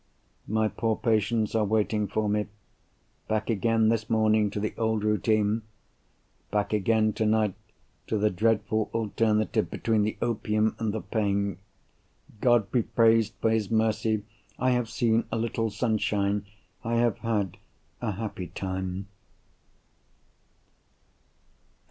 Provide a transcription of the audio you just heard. My poor patients are waiting for me. Back again, this morning, to the old routine! Back again, tonight, to the dreadful alternative between the opium and the pain! God be praised for His mercy! I have seen a little sunshine—I have had a happy time.